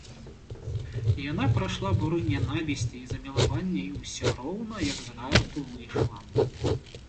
І яна прайшла буры нянавісці і замілавання і ўсё роўна як з гарту выйшла.